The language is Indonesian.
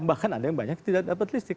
bahkan ada yang banyak tidak dapat listrik